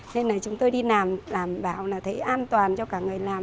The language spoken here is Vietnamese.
nên chúng tôi đi làm làm bảo thấy an toàn cho cả người làm